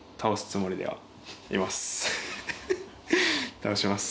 倒します。